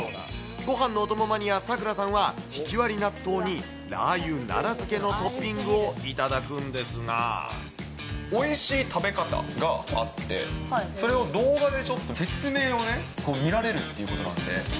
ごはんのお供マニア、咲良さんは、ひきわり納豆に、ラー油奈良漬けおいしい食べ方があって、それを動画でちょっと説明をね、見られるということなんで。